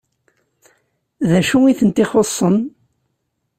D acu i tent-ixuṣṣen?